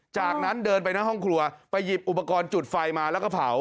จากนั้นเดินไปหน้าห้องครัวไปหยิบอุปกรณ์จุดไฟมาแล้วก็เผา